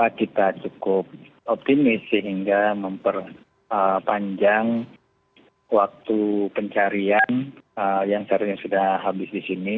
karena kita cukup optimis sehingga memperpanjang waktu pencarian yang seharusnya sudah habis di sini